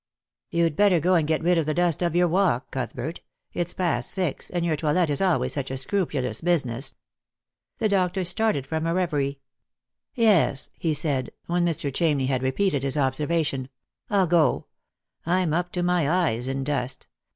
You'd better go and get rid of the dust of your walk, Cuthbert. It's past six — and your toilet is always such a scrupulous business." The doctor started from a reverie. " Yes," he said, when Mr. Chamney had repeated his observa tion, " I'll go. I'm up to my eyes in dust.